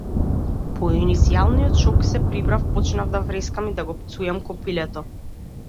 По иницијалниот шок, се прибрав, почнав да врескам и да го пцујам копилето.